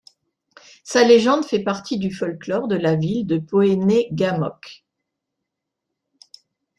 Sa légende fait partie du folklore de la ville Pohénégamook.